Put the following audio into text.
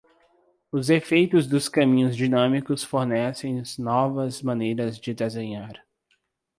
Os efeitos dos caminhos dinâmicos fornecem novas maneiras de desenhar.